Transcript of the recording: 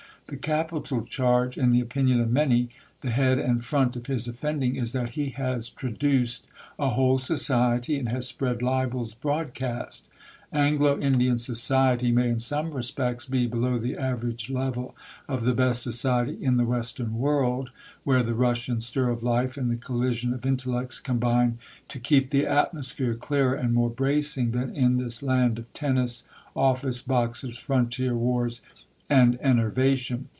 The capital charge, in the opinion of many, the head and front of his offending, is that he has traduced a whole society, and has spread libels broadcast. Anglo Indian society may in some respects be below the average level of the best society in the Western world, where the rush and stir of life and the collision of intellects combine to keep the atmosphere clearer and more bracing than in this land of tennis, office boxes, frontier wars, and enervation.